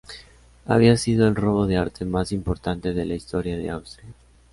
Había sido el robo de arte más importante de la historia de Austria.